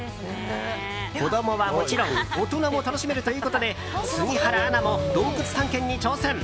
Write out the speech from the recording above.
子供はもちろん大人も楽しめるということで杉原アナも洞窟探検に挑戦。